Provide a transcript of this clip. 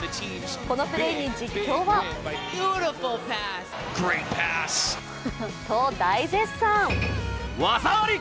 このプレーに実況は。と大絶賛。